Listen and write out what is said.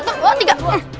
satu dua tiga